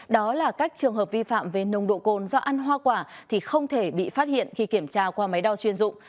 đó là các trường hợp vi phạm về nồng độ cồn do ăn hoa quả thì không thể bị phát hiện khi kiểm tra qua máy đo chuyên dụng